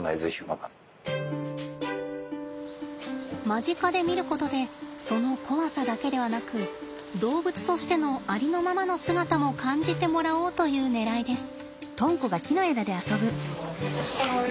間近で見ることでその怖さだけではなく動物としてのありのままの姿も感じてもらおうというねらいです。